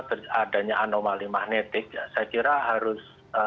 terjadinya anomali magnetik saya kira harus